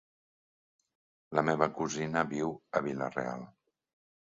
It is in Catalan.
La meva cosina viu a Vila-real.